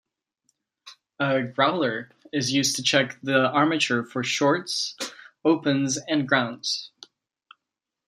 A growler is used to check the armature for shorts, opens and grounds.